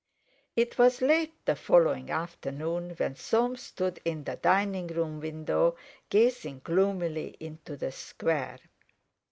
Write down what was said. It was late the following afternoon when Soames stood in the dining room window gazing gloomily into the Square.